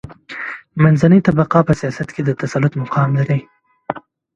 منځنۍ طبقه په سیاست کې د تسلط مقام لري.